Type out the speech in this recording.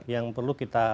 yang perlu kita